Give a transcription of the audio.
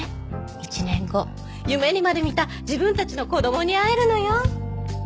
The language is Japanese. １年後夢にまで見た自分たちの子供に会えるのよ。